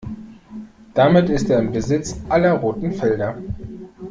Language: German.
Damit ist er in Besitz aller roten Felder.